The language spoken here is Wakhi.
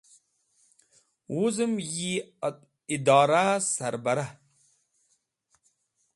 Wuzem yi Idorahe sarbroh